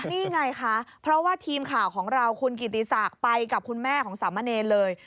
นี่ไงคะเพราะว่าทีมข่าวของเราคุณกิติศักดิ์ไปกับคุณแม่ของสามะเนรเลย